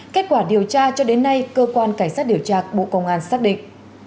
kết quả điều tra cho đến nay cơ quan cảnh sát điều tra bộ công an xác định